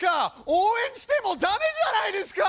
応援してもダメじゃないですか！